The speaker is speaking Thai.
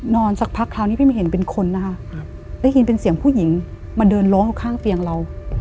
สักพักคราวนี้พี่ไม่เห็นเป็นคนนะคะได้ยินเป็นเสียงผู้หญิงมาเดินร้องอยู่ข้างเตียงเรา